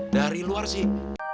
dari luar sih